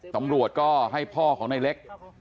ตำรวจก็ให้พ่อของในเล็ก